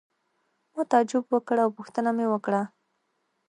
ما تعجب وکړ او پوښتنه مې وکړه.